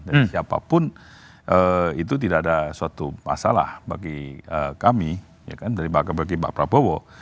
jadi siapapun itu tidak ada suatu masalah bagi kami bagi pak prabowo